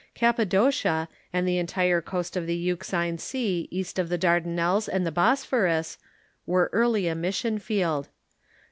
Cappadocia, and the entire coast of the Euxine Sea east of the Dardanelles and the Bosphorus, were early a mission field.